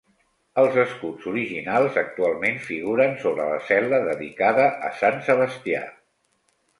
Els escuts originals actualment figuren sobre la cel·la dedicada a Sant Sebastià.